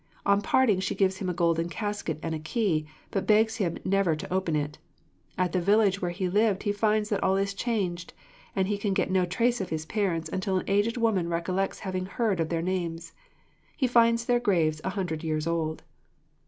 On parting she gives him a golden casket and a key, but begs him never to open it. At the village where he lived he finds that all is changed, and he can get no trace of his parents until an aged woman recollects having heard of their names. He finds their graves a hundred years old.